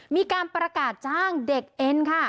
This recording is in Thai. มีการประกาศจ้างเด็กเอ็นค่ะ